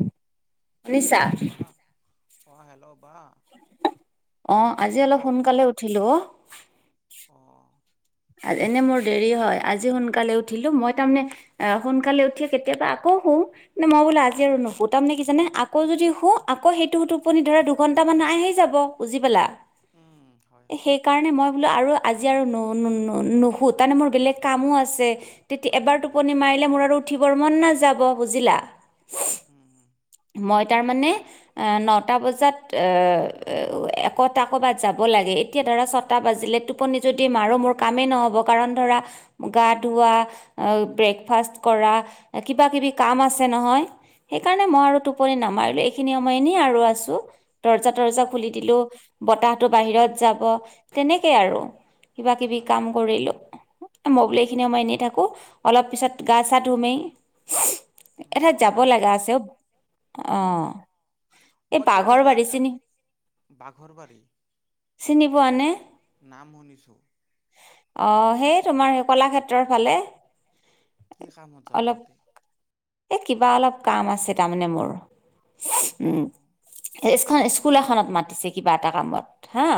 [inaudible] শুনিছা? অ', হেল্ল' বা? অ', আজি অলপ সোনকালে উঠিলো। এনে মোৰ দেৰি হয় আজি সোনকালে উঠিলো মই তাৰমানে সোনকালে উঠি কেতিয়াবা আকৌ শু নে মই বোলো আজি আৰু নুশু বোতাম নে কি জানে আকৌ যদি শু আকৌ সেইটো টোপনি ধৰা দুঘণ্টামান আহি যাব বুজি পালা। সেইকাৰণে মই বোলো আৰু আজি আৰু নো নোশু তাৰমানে মোৰ বেলেগ কামো আছে। তেতিয়া এবাৰ টোপনি মাৰিলে মোৰ আৰু উঠিবৰ মন নাযাব বুজিলা? মই তাৰ মানে এ' নটা বজাত এ-এ-এ একতা কবাত যাব লাগে এতিয়া ধৰা ছটা বাজিলে টোপনি যদি মাৰো মোৰ কামে নহব কাৰন ধৰা গা ধুৱা, ব্ৰেকফাষ্ট কৰা, কিবা কিবি কাম আছে নহয়। সেই কাৰনে মই আৰু টোপনি নামাৰিলো, এইখিনি সময় এনেই আৰু আছো। দৰ্জা তৰ্জা খুলি দিলো বতাহটো বাহিৰত যাব তেনেকে আৰু কিবা কিবি কাম কৰিলো মই বোলো এইখিনি সময় এনেই থাকো অলপ পিছত গা চা ধুমেই এঠাইত যাব লাগা আছে অ। অ এই পাঘৰ বাঢ়ি চিনি বাঘৰবাৰী। নাম শুনিছো। অ সেই তোমাৰ সেই কলাক্ষেত্ৰৰ ফালে। কি কামত যাবা তাতে এ কিবা অলপ কাম আছে তাৰমানে মোৰ উমখন স্কুল এখনত মাতিছে কিবা এটা কামত হা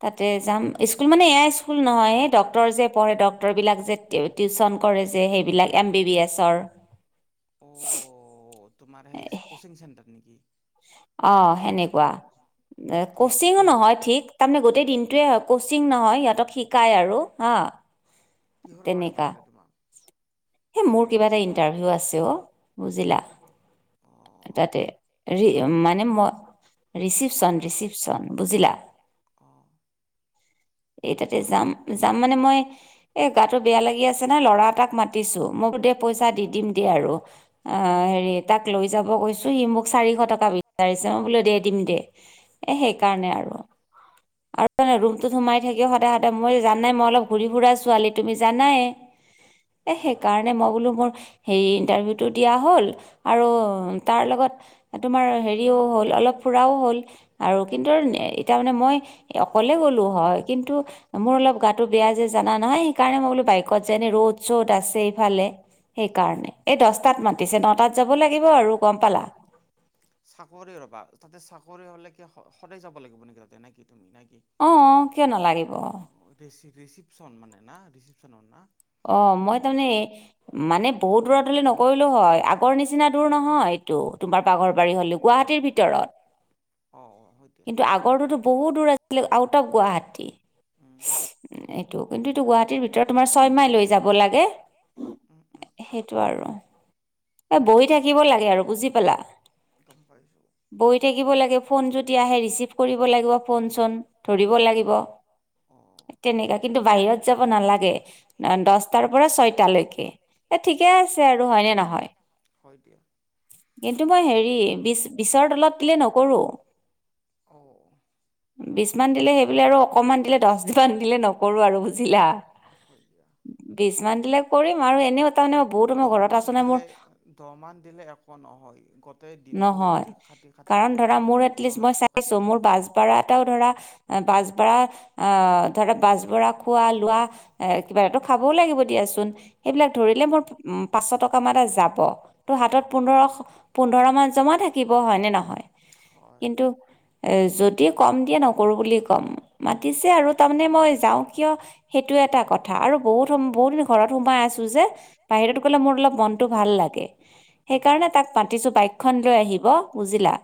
তাত তা যাম স্কুল মানে এয়াাই স্কুল নহয় এই ড্টৰ যে পঢ় ড্ক্তৰবিলাক যে টিউশচন কৰে যে সেইবিলাক বি বি এছৰ তোমাৰ সেই কোচিং চেণ্টাৰ নেকি অ সেনেকুৱা কচিঙো নহয় ঠিক তাৰমানে গোটেই দিনটোয়ে কচিং নহয় সিহঁতক শিকাই আৰু হা কিহৰ কাৰণে মাতিলে তোমাক হ মোৰ কিবা এটা ইণ্টাৰভিউ আছে অ বুজিলা তাতে মানে মই ৰিচিপচন ৰিচিপচন বুজিলা এই তাতে যাম যাম মানে মই এ গাতটো বেয়া লাগি আছে ন লৰা এটাক মাতিছো মইো দে পইচা দি দিম দে আৰু অ হেৰি তাক লৈ যাব কৈছো সি মোক চাৰিশ টকা বিচাৰিছে ম মে কাৰণ [unintelligible] সায় মই অলপ ঘূৰি ফুৰা ছোৱালী জানাই এই সেইকাৰণে মই বোলো মোৰ হেৰি ইণ্টাৰভিউটো দিয়া হ'ল আৰু তাৰ লগত তোমাৰ হেৰিও হ'ল অলপ ফুৰাও হ'ল আৰু [unintelligible] কিন্তু এতিয়া মানে মই অকলে গ'লো হয় কিন্তু মোৰ অলপ গাটো বেয়া যে জানা নহয় সেইকাৰণে মই বোলো বাইকত যে ৰ'দ চ'দ আছে ইফালে সেই কাৰণে এই দছটাত মাতিছে নটাত যাব লাগিব আৰু চাকৰি ৰবা তাতে চাকৰি হলে সদায় যাব লাগিব নেকি তাতে নাই কি আহ কিয় নালাগিব? ৰিচিপচন মানে না ৰিচিপচন না অ মই তাৰমানে মানে বহুত দূৰত হলে নকৰিলো হয় আগৰ নিচিনা দূৰ নহয় এইটো তোমাৰ পাকঘৰ বাৰী হলেও গুৱাহাটীৰ ভিতৰত। কিন্তু আগৰতে বহুত দূৰ আছিলে আউট অফ গুৱাহাটী এইটো কিন্তু এইটো গুৱাহাটীৰ ভিতৰত তোমাৰ ল যাব লাগে সেইটো আৰু এ বহি থাকিব লাগে আৰু বুজি পালা বহি থাকিব লাগে ফোন যদি আহে ৰিচিভ কৰিব লাগিব ফোন চোন ধৰিব লাগিব তেনেকা কিন্তু বাহিৰত যাব নালাগে। দহটাৰ পৰা ছয়টালৈকে এ ঠিকে আছে আৰু হয়নে নহয় কিন্তু মই হেৰি বিশ বিছৰ তলত দিলে নকৰো। বিশ মান দিলে বোলে আৰু অকমান দিলে দহ দমান দিলে নকৰো আৰু বুজিলা। বিশ মমান দিলে কৰিম আৰু এনেও তাৰমানে বহুতো মই ঘৰত আছো নে মোৰ নহয় কাৰণ ধৰা মোৰ এটলিষ্ট মই চাইছো মোৰ বছবাৰা এটাও ধৰা ত পৰা আহ ধৰা বাছ বৰা খোৱা লোৱা এ কিবা এটা তো খাবও লাগিব দিয়াচোন? সেইবিলাক ধৰিলে মোৰ পাঁচশ টকা কাম এটা যাব ত' হাতত পোন্ধৰ শ পোন্ধৰমান জমা থাকিব হয়নে নহয়? কিন্তু যদি কম দিয়ে নকৰো? কৰোঁ বুলি ক'ম মাতিছে আৰু তাৰে মই যাওঁ কিয় সেইটো এটা কথা কথা আৰু বহুত-বহুত দিন ঘৰত সোমাই আছো। যে বাহিৰত গলে মোৰ অলপ মনতটো ভাল লাগে সেইকাৰণে তাক মাতিছো বাইকখন লৈ আহিব বুজিলা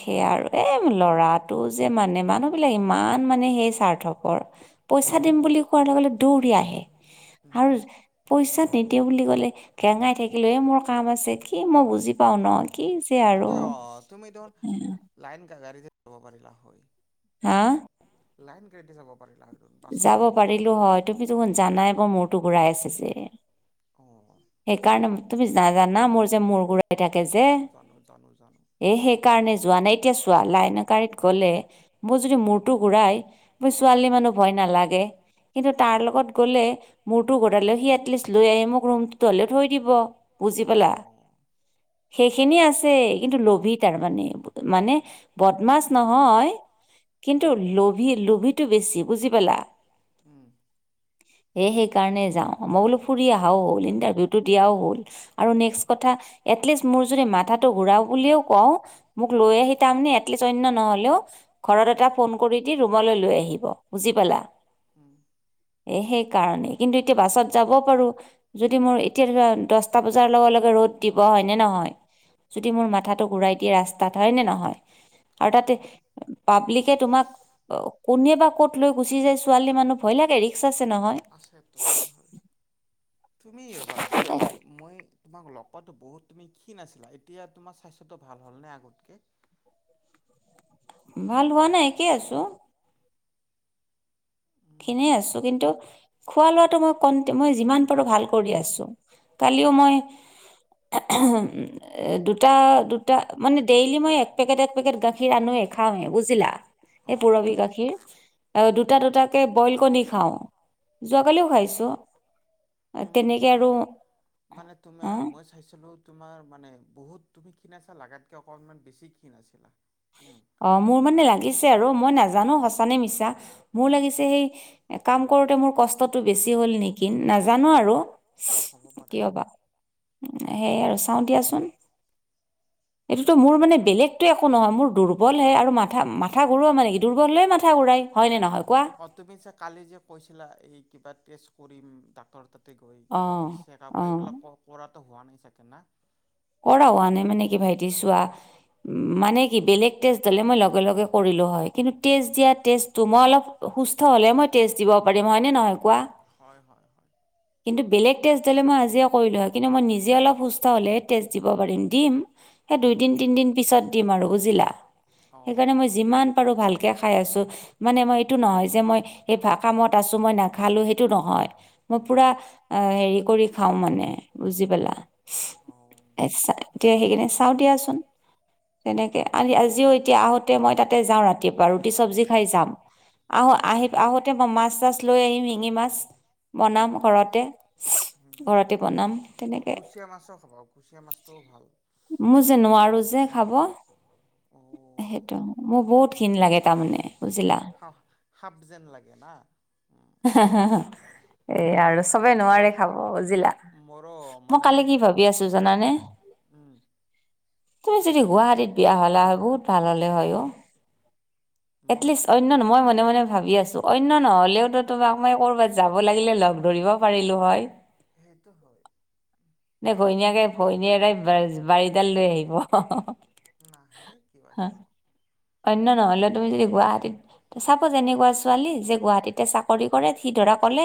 সেইয়া আৰু এ লৰাটো যে মানে মানুহ বিলাক ইমান মানে সেই স্বাৰ্থ পৰ পাইছা দিম বুলি কোৱাৰ লগ লগে দৌৰি আহে, আৰু পইচা নিদিওঁ বুলি ক'লে গেঙাই থাকিলেহে মোৰ কাম আছে কি মই বুজি পাওঁ ন কি যে আৰু গাডীতে যাব পাৰিলা হয়। হা লাইন কেইতি যাব। যাব পাৰিলো হয় তুমি দেখোন জানাই ব মোৰ ঘূৰাই আছে যে সেইকাৰণে তুমি জানা মোৰ যে মোৰ ঘূৰাই থাকে যে এ সেইকাৰণে যোৱা নাই। এতিয়া চোৱা লাইন গাড়ীত গ'লে মই যদি মূৰটো ঘূৰাই মোৰ ছোৱালী মানুহ ভয় নালাগে। কিন্তু তাৰ লগত গ'লে মূৰটো ঘূৰালে সি এটলিষ্ট লৈ আহি মোক ৰুম লে থৈ দিব বুজি পেলা সেইখিনিয়ে আছে কিন্তু লভ তাৰ মানে মানে বদমাছ নহয় কিন্তু লোভি লোভটো বেছি বুজি বেলা এ সেইকাৰণে যাওঁ মই বোলো ফুৰি আহা হ'ল ত এইটো দিয়াও হ'ল আৰু নেক্সট কথা এটলিষ্ট মোৰ যদি মাথাটো ঘূৰাও বুলিও কওঁ মোক লৈ আহি তাৰমানে এটলিষ্ট অন্য নহলেও ঘৰত এটা ফোন কৰি দি ৰুমলৈ লৈ আহিব বুজি পালা, এ সেইকাৰণে কিন্তু এতিয়া বাছত যাব পাৰো যদি মোৰ তেতিয়া ধৰি লোৱা দশটা বজাৰ লগে লগে ৰ'দ দিব হয় নে নে নহয়, যদি মোৰ মাথাটো ঘূৰাই এতিয়া ৰাস্তাত হয় ন নহয় আৰু তাতে পাব্লিকে তোমাক ক ক'ত লৈ গুচি যায় ছোৱালী মানুহ ভয় লাগে ৰিক্স আছে নহয়। ই ৰ'বা মই-মই তোমাক লগ পাতো বহুত তুমি ক্ষীণ আছিলা এতিয়া তোমাৰ স্বাস্থ্যটো ভাল হ'ল নে আগতকে। ভাল হোৱা নাই একেই আছো। খিনে আছো কিন্তু খোৱা লোৱাটো মই কন মই যিমান পাৰোঁ ভাল কৰি আছো [unintelligible] মই [unintelligible] দুটা দু দুটা মানে ডেইলি মই এক পেকট এক পেকেট গাখীৰ আনোৱে খাওঁৱে বুজিলা, এই পূৰৱী গাখীৰ, আৰু দুটা-দুটা বইল কণী খাওঁ, যোৱাকালিও খাইছোঁ, তেনেকে আৰু হা তোমাৰ মানে বহুত তুমি [unintelligible] লাগাতকে অকনমান বেছি ক্ষীণ আছিলা। অঁ মোৰ মানে লাগিছে আৰু মই নাজানো সঁচানে মিছা। মোৰ লাগিছে সেই কাম কৰোতে মোৰ কষ্টতটো বেছি হ'ল নেকি নাজা জানো আৰু। [unintelligible] সেয়াই আৰু চাওঁ দিয়াচোন। [unintelligible] টো মোৰ মানে বেলেগতটো একো নহয়, মোৰ দুৰ দুৰ্বল হে আৰু মাথা-মাথা ঘূৰোৱা মানে কি, দুৰ্বল হ'লে মাথা ঘূৰাই, হয় নে নহয় কোৱা। টেষ্ট কৰিম ডাক্তৰ তে গৈ কিবা চেক আপ এইবিলাক কৰা টো হোৱা নাই চাগে না। কৰা হোৱা নাই মানে কি ভাইটি চোৱা উম মানে কি বেলেগ টেষ্ট দিলে মই লগে-লগে কৰিলোঁ হয়, কিন্তু তেজ দিয়া টেষ্ট টো মই অলপ সুস্থ হ'লে মই তেজ দিব পাৰিম হয় নে নহয় কোৱা, কিন্তু বেলেগ টেষ্ট হ'লে মই আজিয়ে কৰিলোঁ হয় কিন্তু মই নিজে অলপ সুস্থ হ'লেহে গেছ দিব পাৰি, দুদিন তিনিদিন পাছত দিম আৰু বুজিলা। সেইকাৰণেই মই যিমান পাৰো ভালকৈ খাই আছো মানে মই এই টো নহয় যে যে মই সেই কিবা কামত ত আছো মই নাখালো সেইটো নহয় মই পুৰা অঁ হেৰি কৰি খাও মানে বুজি পালা অঁ এতিয়া সেইকনে চাওঁ দিয়াচোন তেনেকে আঁ আজিও এতিয়া আহোঁতে মই তাতে যাওঁ ৰাতিপুৱা ৰুটি চব্জি খাই যাম আহো আহি আহোঁতে মই মাছ চাছ লৈ আহিম শিঙি মাছ বনাম ঘৰতে ঘৰতে বনাম তেনেকে অঁ কুচিয়া মাছটোও ভাল মোৰ যে নোৱাৰো যে খাব সেইটো মোৰ বহুত সেইখিনি লাগে সাপ যেন লাগে না হাঁ হাঁ হাঁ এ আৰু চবে নোৱাৰে খাব ও বুজিলা মই কালি কি ভাবি আছো জানানে তুমি যদি গুৱাহাটীত বিয়া হ'লে হয় বহুত ভাল হলে হয় অঁ এটলিষ্ট অনয় ন মই মনে মনে ভাবি আছো অনন্য় নহ'লেওতো তোমাক মই কৰ'ৰবাত যাব লাগিলে লগ ধৰিব পাৰিলো হয় ন ঘৈণীয়েকে ঘয়ৈণীয়ে এট মাৰীডাল লৈ আহিব নাহে ক আহিব অন্য নহ'লে তুমি যদি গুৱাহাটীত চাব যেনেকুৱা ছোৱালী যে গুৱাহাটীতে চাকৰি কৰে সি ধৰা ক'লে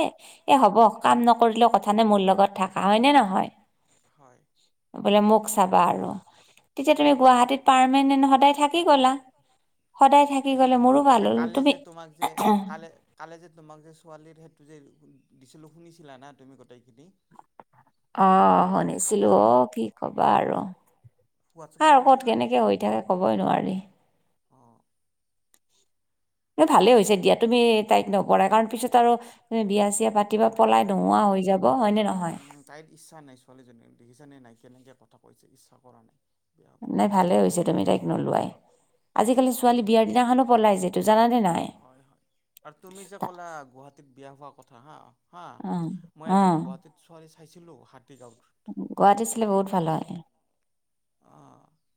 এ হ'ব কাম নকৰিলেও কথা নে মোৰ লগত থাকা হয়নে নহয় বোলে মোক চাবা আৰু তেতিয়া তুমি গুৱাহাটীত পাৰমানেণ্ট সদায় থাকি গলা সদায় থাকি গলে মোৰো ভাল হ'ল তুমি তোমাক যে কালে কালে যে তোমাক যে ছোৱালীৰ সেইটো যে দিছিলো শুনিছিলা না তুমি গোটেই খিনি অঁ শুনিছিলো অঁ কি কবা আৰু হ ক'ত কেনেকৈ হৈ থাকে কবই নোৱাৰি অঁ এ ভালে হৈছে দিয়া তুমি তাইক নকৰা কাৰণ পিছত আৰু বিয়া চিয়া পাতিবা পলাই ধোহৱা হৈ যাব উম তাইৰ ইচ্ছা নাই ছোৱালীজনী দেখিছা নে নাই কেনেকৈ কথা কৈছে ইচ্ছা কৰা নাই নাই ভালে হৈছে তুমি তাইক নোলোৱাই হয় হয় আৰু তুমি যে কলা গুৱাহাটীত বিয়া হোৱা কথা হা হা মই এজন গুৱাহাটীত ছোৱালী চাইছিলোঁ হাতী গাঁৱত গুৱাহাটি ছোৱালী বহুত ভাল হয় অ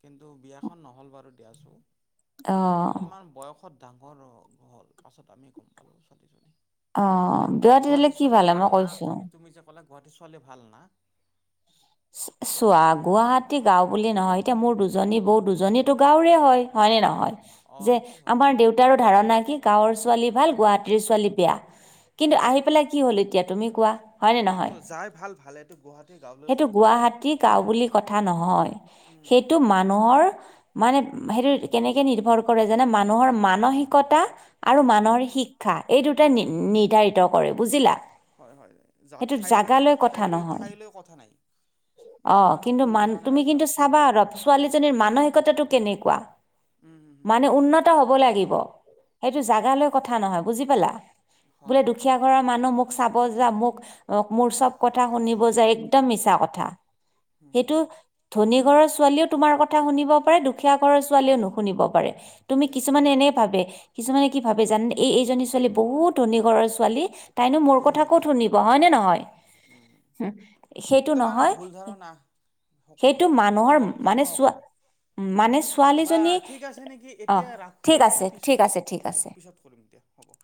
কিন্তু বিয়াখন নহল বাৰু দিয়াচো অকনমান বয়সত ডাঙৰ হ'ল পাছত আমি গম পালোঁ ছোৱালীজনী অ বিয়া তেতিয়াহলে কি ভাল মই কৈছো গুৱাহাটী ছোৱালী ভাল না চোৱা গুৱাহাটী গাও বুলি নহয় এতিয়া মোৰ দুজনী বৌ দুজনীতো গাঁওৰে হয় হয়নে নহয় যে আমাৰ দেউতাৰো ধাৰণা কি গাঁৱৰ ছোৱালী ভাল গুৱাহাটীৰ ছোৱালী বেয়া কিন্তু আহি পেলাই কি হল এতিয়া তুমি কোৱা হয়নে নহয় সেইটো গুৱাহাটী গাও বুলি কথা নহয় সেইটো মানুহৰ মানে সেইটো কেনেকে নিৰ্ভৰ কৰে যেনে মানুহৰ মানসিকতা আৰু মানুহৰ শিক্ষা এই দু টা নিৰ্ধাৰিত কৰে বুজিলা। হয় হয় য ঠাইলৈ ঠাইলৈ ঠাইলৈ কথা নাই। অ কিন্তু মান তুমি কিন্তু চাবা আৰু ছোৱালীজনীৰ মানসিকতা টো কেনেকুৱা। মানে উন্নত হ'ব সেইটো জাগৈ কথা নহয় বুজি পালা বোলে দুখীয়া ঘৰৰ মানুহ মোক চাব যা মোক মোৰ চব কথা শুনিব যায়। একদম মিছা কথা। সেইটো ধনী ঘৰৰ ছোৱালীও তোমাৰ কথা শুনিব পাৰে দুখীয়া ঘৰৰ ছোৱালীও নুশুনিব পাৰে। তুমি কিছুমানে এনে ভাবে কিছুমানে কি ভাৱে জানে এইজনী ছোৱালী বহুত ধনী ঘৰৰ ছোৱালী তাইনো মোৰ কথা ক'ত শুনিব হয় নে নহয়? উ এটো মানুহৰ ভুল ধাৰণা সকলো মই গম জানো সকলো বা ঠিক আছে নেকি এতিয়া ৰাখো নেকি পিছ অ পিছত কৰিম দিয়া হ'ব।